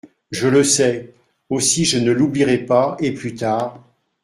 Je le sais… aussi je ne l’oublierai pas et plus tard…